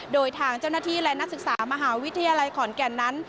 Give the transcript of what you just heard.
โดยทางเจ้าหน้าที่และนักศึกษามหาวิทยาลัยขอนแก่นนั้น